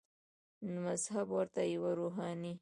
نو مذهب ورته یوه روحاني